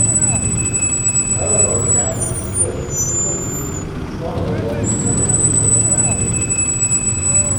However, after the split Consumers Union grew strongly while Consumers' Research languished.